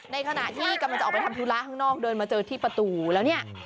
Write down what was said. ในขณะที่กำลังจะออกไปทำธุระข้างนอกเดินมาเจอที่ประตูแล้วเนี่ย